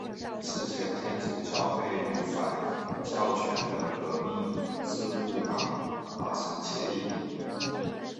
此前天主教会与反教权的革命制度党达成协议。